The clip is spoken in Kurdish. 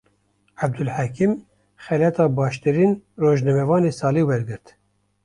Abdulhekîm, xelata baştirîn rojnamevanê salê wergirt